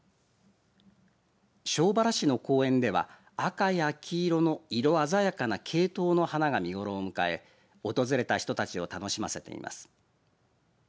庄原市の公園では赤や黄色の色鮮やかなケイトウの花が見頃を迎え訪れた人たちを楽しませています。